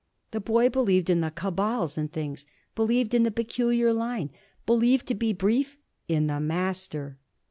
The boy believed in the cabals and things, believed in the peculiar line, believed, to be brief, in the Master.